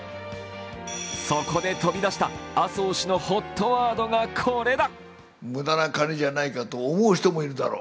そこで飛び出した麻生氏のＨＯＴワードがこれだ。